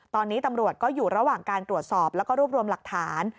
ตอนนี้ตำรวจก็อยู่ระหว่างการตรวจสอบแล้วก็รวบรวมหลักฐาน